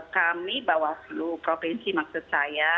kami bawah seluruh provinsi maksud saya